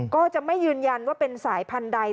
ก็จะไม่ยืนยันว่าเป็นสายพันธุ์ใด